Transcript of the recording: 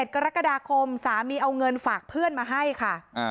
กรกฎาคมสามีเอาเงินฝากเพื่อนมาให้ค่ะ